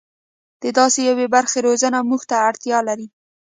د داسې یوې برخې روزنه موږ ته اړتیا لري.